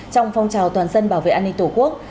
trong phong trào toàn dân bảo vệ an ninh tổ quốc